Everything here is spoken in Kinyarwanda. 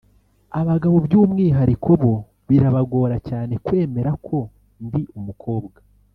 Abagabo by’umwihariko bo birabagora cyane kwemera ko ndi umukobwa